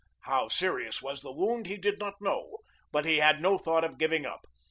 How serious was the wound he did not know, but he had no thought of giving up.